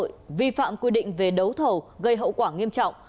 tội vi phạm quy định về đấu thầu gây hậu quả nghiêm trọng